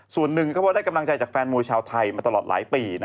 ส่วนหนึ่งเขาบอกได้กำลังใจจากแฟนมวยชาวไทยมาตลอดหลายปี